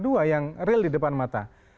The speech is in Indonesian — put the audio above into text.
dua yang real di depan mata